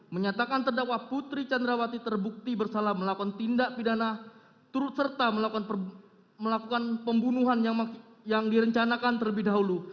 menyatakan terdakwa putri candrawati terbukti bersalah melakukan tindak pidana turut serta melakukan pembunuhan yang direncanakan terlebih dahulu